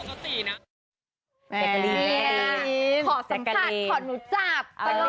ขอสัมผัสขอเนึจจับ